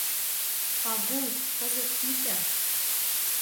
— Пагул, кызыт ите...